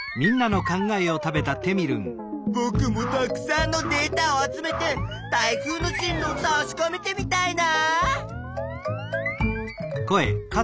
ぼくもたくさんのデータを集めて台風の進路をたしかめてみたいな！